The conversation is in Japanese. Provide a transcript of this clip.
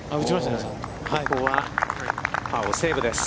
永野は、パーをセーブです。